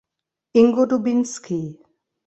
Ingo Dubinsky